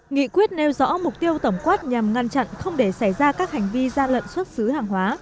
nghị quyết nêu rõ mục tiêu tổng quát nhằm ngăn chặn không để xảy ra các hành vi gian lận xuất xứ hàng hóa